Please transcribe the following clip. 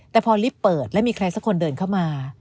แต่พอลิฟต์เปิดแล้วมีใครสักคนเดินเข้ามา